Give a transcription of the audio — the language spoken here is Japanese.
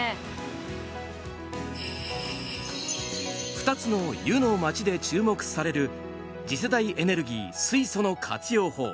２つの湯の町で注目される次世代エネルギー水素の活用法。